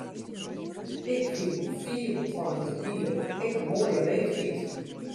Ik fyn fiif en tweintich jier ek in moaie leeftyd.